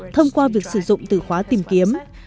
thông qua việc sử dụng từ khóa tìm kiếm